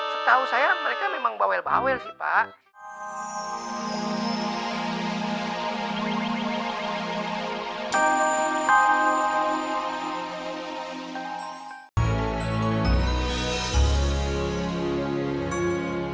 setahu saya mereka memang bawel bawel sih pak